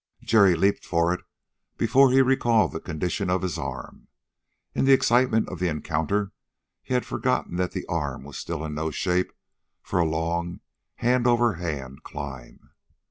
Jerry leaped for it before he recalled the condition of his arm. In the excitement of the encounter he had forgotten that the arm was still in no shape for a long hand over hand climb.